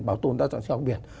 bảo tồn đa dạng xeo biển